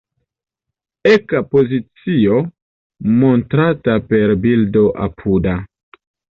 Eka pozicio montrata per bildo apuda.